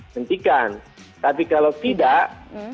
hentikan tapi kalau tidak